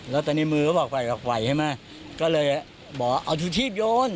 แล้วตอนนี้มือเขาออกไปออกไปใช่ไหมก็เลยบอกเอาถุชีพโยน